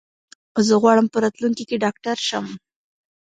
زه غواړم په راتلونکي کې ډاکټر شم.